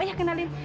oh iya kenalin